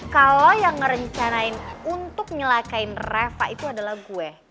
kalau yang ngerencanain untuk milakain reva itu adalah gue